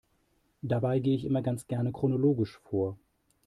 Dabei gehe ich immer ganz gerne chronologisch vor.